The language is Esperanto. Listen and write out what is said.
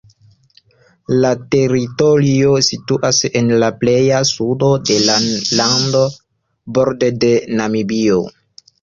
La teritorio situas en la pleja sudo de la lando, borde de Namibio.